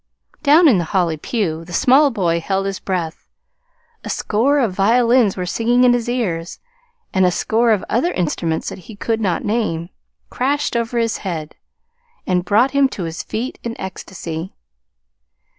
Down in the Holly pew the small boy held his breath. A score of violins were singing in his ears; and a score of other instruments that he could not name, crashed over his head, and brought him to his feet in ecstasy.